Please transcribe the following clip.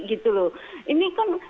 gitu loh ini kan